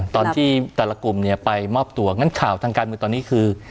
ตอนที่แต่ละกลุ่มเนี่ยไปมอบตัวงั้นข่าวทางการเมืองตอนนี้คือ